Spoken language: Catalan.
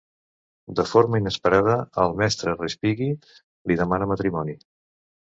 De forma inesperada, el mestre Respighi li demanà matrimoni.